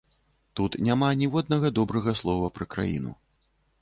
Тут няма ніводнага добрага слова пра краіну.